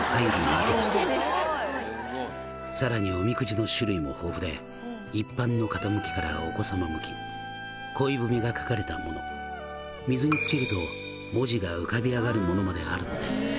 「さらにおみくじの種類も豊富で一般の方向きからお子さま向き恋文が書かれたもの水につけると文字が浮かび上がるものまであるのです」